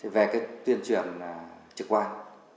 về tuyên truyền trực quan